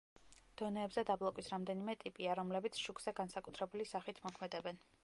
დონეებზე დაბლოკვის რამდენიმე ტიპია, რომლებიც შუქზე განსაკუთრებული სახით მოქმედებენ.